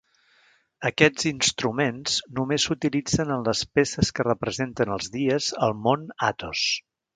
Aquests instruments només s'utilitzen en les peces que representen els dies al Mont Athos.